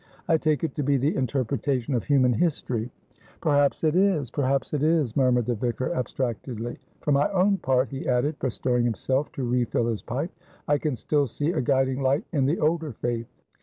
"I take it to be the interpretation of human history." "Perhaps it is; perhaps it is," murmured the vicar, abstractedly. "For my own part," he added, bestirring himself to refill his pipe, "I can still see a guiding light in the older faith.